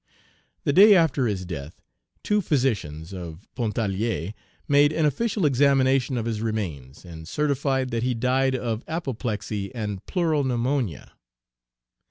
The day after his death, two physicians of Pontarlier made an official examination of his remains, and certified that he died of apoplexy and pleuro pneumonia.